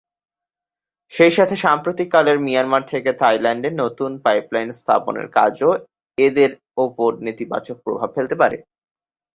সেই সাথে সাম্প্রতিককালের মিয়ানমার থেকে থাইল্যান্ডে নতুন পাইপলাইন স্থাপনের কাজও এদের ওপর নেতিবাচক প্রভাব ফেলতে পারে।